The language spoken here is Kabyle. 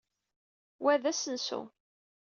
Wa d asensu.